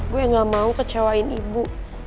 gue yang gak mau kecewain ibu